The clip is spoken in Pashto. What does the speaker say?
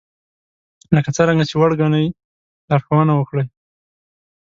لکه څرنګه چې وړ ګنئ لارښوونه وکړئ